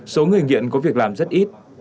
số người nghiện có việc làm rất ít